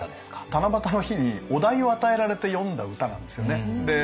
七夕の日にお題を与えられて詠んだ歌なんですよね。